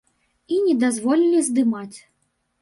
І не дазволілі здымаць.